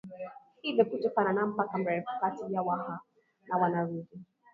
Hivyo kutokana na mpaka mrefu kati ya waha na warundi